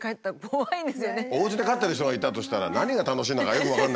おうちで飼ってる人がいたとしたら何が楽しいんだかよく分かんないよね。